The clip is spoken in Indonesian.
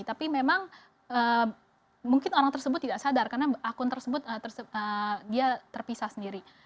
tapi memang mungkin orang tersebut tidak sadar karena akun tersebut dia terpisah sendiri